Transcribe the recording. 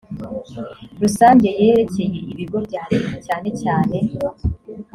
rusange yerekeye ibigo bya leta cyane cyane